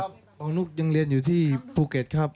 น้องนุ๊กเรียนอยู่ปุเกษครับ